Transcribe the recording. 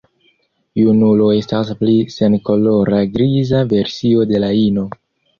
Junulo estas pli senkolora griza versio de la ino.